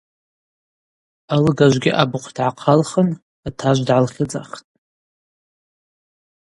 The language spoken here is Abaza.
Алыгажвгьи абыхъв дгӏахъалхын атажв дгӏалхьыдзахтӏ.